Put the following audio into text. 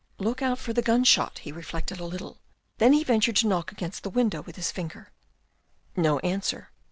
" Look out for the gun shot," he reflected a little, then he ventured to knock against rhe window with his finger. No answer.